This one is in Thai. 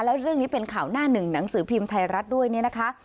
แล้วเรื่องนี้เป็นข่าวหน้าหนึ่งหนังสือพิมพ์ไทยรัฐด้วยเนี่ยนะคะ